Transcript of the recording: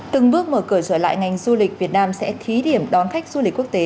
từng bước mở cửa trở lại ngành du lịch việt nam sẽ thí điểm đón khách du lịch quốc tế